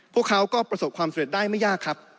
พวกเขาก็ประสบความสำเร็จได้ไม่ยากครับ